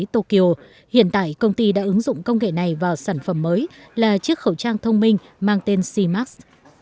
tô kiều hiện tại công ty đã ứng dụng công nghệ này vào sản phẩm mới là chiếc khẩu trang thông minh mang tên c max